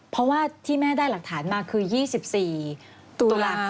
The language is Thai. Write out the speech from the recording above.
เพราะว่าที่แม่ได้หลักฐานมาคือ๒๔ตุลาคม